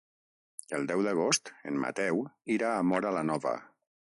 El deu d'agost en Mateu irà a Móra la Nova.